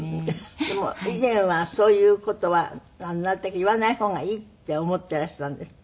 でも以前はそういう事はなるたけ言わない方がいいって思っていらしたんですって？